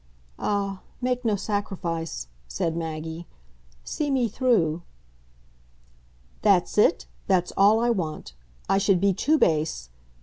"Ah, make no sacrifice," said Maggie. "See me through." "That's it that's all I want. I should be too base